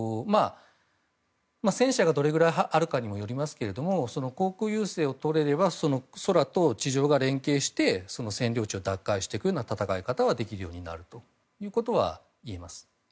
戦車がどれぐらいあるかにもよりますけれども航空優勢をとれれば空と地上が連携して占領地を奪回していくような戦い方ができるようになるということはいえます。